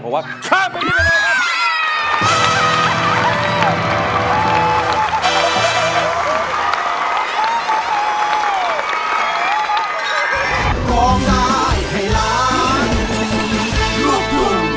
เพราะว่าช่างเป็นพี่กำลังครับ